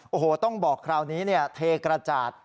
โอ้โหต้องบอกคราวนี้เทกระจาด